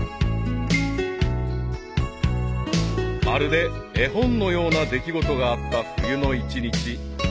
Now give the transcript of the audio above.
［まるで絵本のような出来事があった冬の一日］